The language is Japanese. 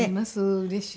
うれしい。